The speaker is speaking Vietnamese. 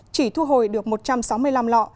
chỉ thu hồi được một trăm sáu mươi năm lọ